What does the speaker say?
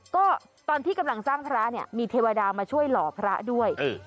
ก็ตอนที่กำลังสร้างพระเนี่ยมีเทวดามาช่วยหล่อพระด้วย